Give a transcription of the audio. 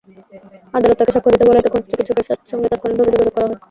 আদালত তাঁকে সাক্ষ্য দিতে বলায় তখন চিকিৎসকের সঙ্গে তাৎক্ষণিকভাবে যোগাযোগ করা হয়।